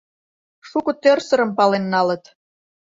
Шуко тӧрсырым пален налыт.